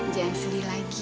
jangan sedih lagi